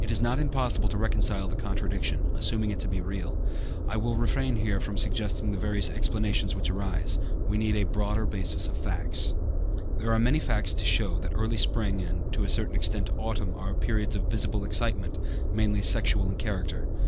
It is not impossible to reconcile the contradiction, assuming it to be real, but I will refrain here from suggesting the various explanations which arise. We need a broader basis of facts. There are many facts to show that early spring and, to a certain extent, autumn are periods of visible excitement, mainly sexual in character.